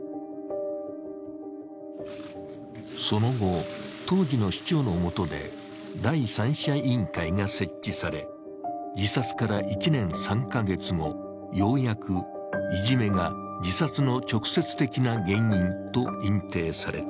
その後、当時の市長の下で第三者委員会が設置され、自殺から１年３カ月後、ようやくいじめが自殺の直接的な原因と認定された。